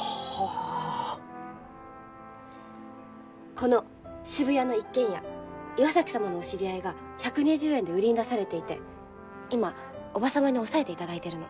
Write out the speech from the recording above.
この渋谷の一軒家岩崎様のお知り合いが１２０円で売りに出されていて今叔母様に押さえていただいてるの。